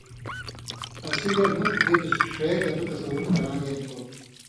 اسی ڙر مُت بِتُس ݜے گتہ تصُور کران٘گَیں تھو